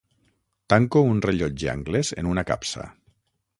Tanco un rellotge anglès en una capsa.